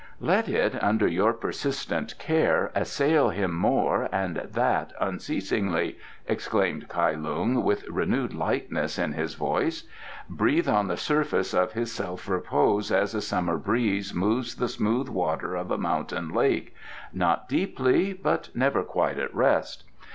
"Let it, under your persistent care, assail him more and that unceasingly," exclaimed Kai Lung, with renewed lightness in his voice. "Breathe on the surface of his self repose as a summer breeze moves the smooth water of a mountain lake not deeply, but never quite at rest.